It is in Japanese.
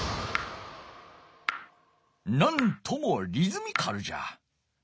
なんともリズミカルじゃ。